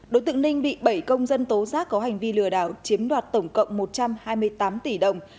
đối tượng ninh bị bảy công dân tố giác có hành vi lừa đảo chiếm đoạt tổng cộng một trăm hai mươi tám tỷ đồng